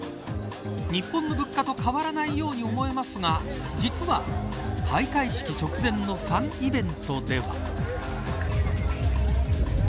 日本の物価と変わらないように思えますが実は、開会式直前のファンイベントでは。